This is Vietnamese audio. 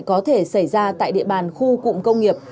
có thể xảy ra tại địa bàn khu cụm công nghiệp